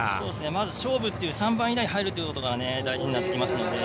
まず勝負っていう３番以内に入ることが大事になってきますので。